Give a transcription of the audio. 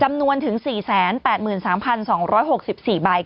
จำนวนถึง๔๘๓๒๖๔ใบแต่ก็ยังมีโฟมอยู่